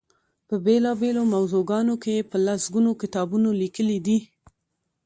په بېلا بېلو موضوعګانو کې یې په لس ګونو کتابونه لیکلي دي.